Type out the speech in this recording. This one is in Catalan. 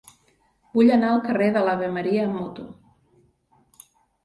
Vull anar al carrer de l'Ave Maria amb moto.